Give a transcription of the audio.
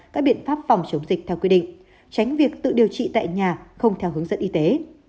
các biện pháp phòng chống dịch theo quy định tránh việc tự điều trị tại nhà không theo hướng dẫn y tế